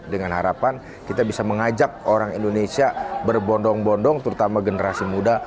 dengan harapan kita bisa mengajak orang indonesia berbondong bondong terutama generasi muda